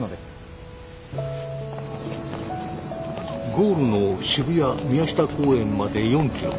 ゴールの渋谷・宮下公園まで４キロ。